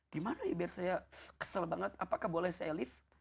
gimana ya biar saya kesel banget apakah boleh saya lift